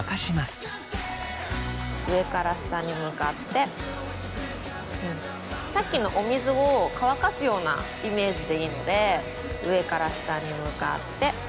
上から下に向かってさっきのお水を乾かすようなイメージでいいので上から下に向かって。